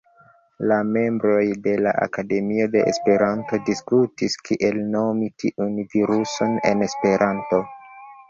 La membroj de la Akademio de Esperanto diskutis, kiel nomi tiun viruson en Esperanto.